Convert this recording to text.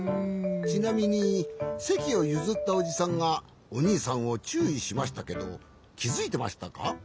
ちなみにせきをゆずったおじさんがおにいさんをちゅういしましたけどきづいてましたか？